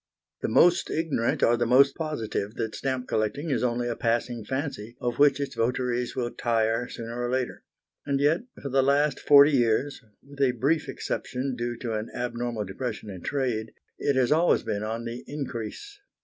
The most ignorant are the most positive that stamp collecting is only a passing fancy of which its votaries will tire, sooner or later; and yet for the last forty years, with a brief exception, due to an abnormal depression in trade, it has always been on the increase.